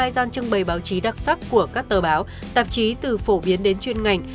một trăm một mươi hai gian trưng bày báo chí đặc sắc của các tờ báo tạp chí từ phổ biến đến chuyên ngành